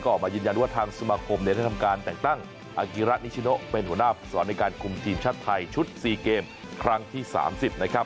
ก็ออกมายืนยันว่าทางสุมาคมในทางทำการแต่งตั้งอังกฤษนิชโนเป็นหัวหน้าผู้สวรรค์ในการคุมทีมชาติไทยชุดสี่เกมครั้งที่สามสิบนะครับ